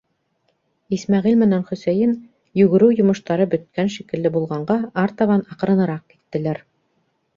Исмәғил менән Хөсәйен, йүгереү йомоштары бөткән шикелле булғанға, артабан аҡрыныраҡ киттеләр.